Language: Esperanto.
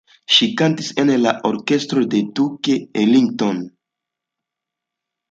Ŝi kantis en la orkestro de Duke Ellington.